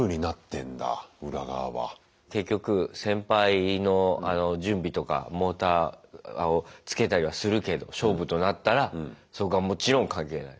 結局先輩のあの準備とかモーターを付けたりはするけど勝負となったらそこはもちろん関係ない。